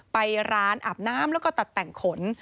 ไปร้านอาบน้ำแล้วก็ตัดแต่งขน